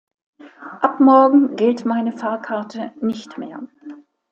Ab morgen gilt meine Fahrkarte nicht mehr.